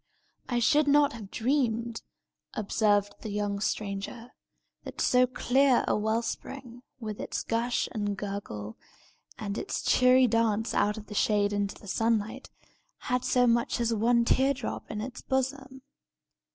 "I should not have dreamed," observed the young stranger, "that so clear a well spring, with its gush and gurgle, and its cheery dance out of the shade into the sunlight, had so much as one tear drop in its bosom!